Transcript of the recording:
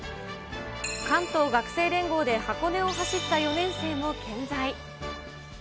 関東学生連合で箱根を走った４年生も健在。